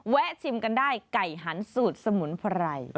ชิมกันได้ไก่หันสูตรสมุนไพร